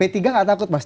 p tiga gak takut mas